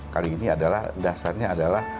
kali ini adalah dasarnya adalah